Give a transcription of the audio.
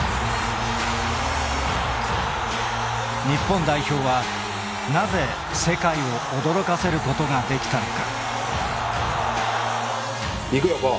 日本代表はなぜ世界を驚かせることができたのか。